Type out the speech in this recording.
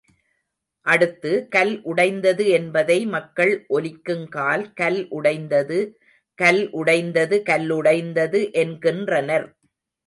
அடுத்து, கல் உடைந்தது என்பதை மக்கள் ஒலிக்குங்கால், கல் உடைந்தது கல் உடைந்தது கல்லுடைந்தது என்கின்றனர்.